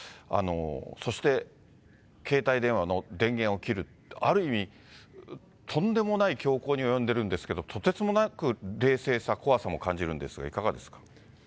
そして携帯電話の電源を切る、ある意味、とんでもない凶行に及んでいるんですけど、とてつもなく冷静さ、怖さも感じるんですが、いかがですか。